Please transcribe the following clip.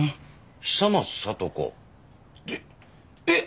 久松聡子？ってえっ！？